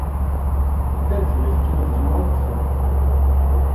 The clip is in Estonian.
See persevest kihutas mulle otsa!